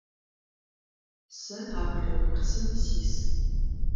Сэ апэрэ курсым сис.